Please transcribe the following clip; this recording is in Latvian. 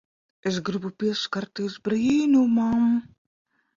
Es gribu pieskarties brīnumam.